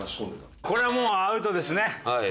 これはもうアウトですね。